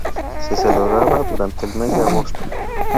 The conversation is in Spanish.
Se celebraba durante el mes de agosto.